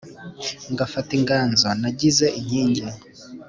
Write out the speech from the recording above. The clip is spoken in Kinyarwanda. ngafata inganzo nagize inkingi